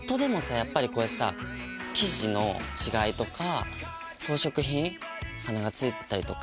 やっぱりこういう生地の違いとか装飾品羽根が付いてたりとか。